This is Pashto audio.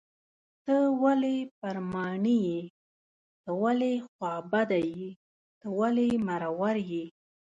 ته ولې پر ماڼي یې .ته ولې خوابدی یې .ته ولې مرور یې